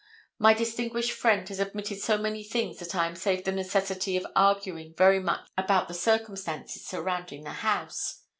My distinguished friend has admitted so many things that I am saved the necessity of arguing very much about the circumstances surrounding the house.